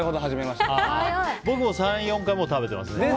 僕も３４回食べています。